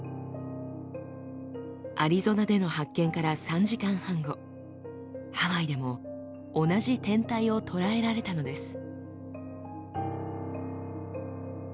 アリゾナでの発見から３時間半後ハワイでも同じ天体を捉えられたのです。